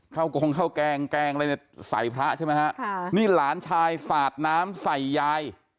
เข้าโกหกแกลงใส่พระใช่มั้ยครับนี่หลานชายสาดน้ำใส่หญาย